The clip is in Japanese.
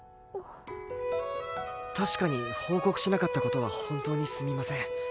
確かに報告しなかった事は本当にすみません。